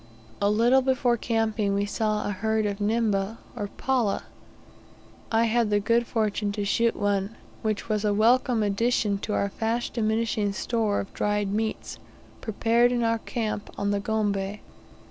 A little before camping we saw a herd of nimba, or pallah; I had the good fortune to shoot one, which was a welcome addition to our fast diminishing store of dried meats, prepared in our camp on the Gombe.